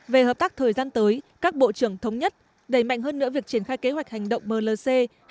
về hợp tác thời gian tới các bộ trưởng thống nhất đẩy mạnh hơn nữa việc triển khai kế hoạch hành động mlc hai nghìn một mươi tám hai nghìn hai mươi hai